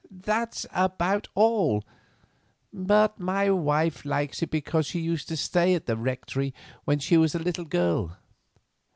That's about all, but my wife likes it because she used to stay at the rectory when she was a little girl.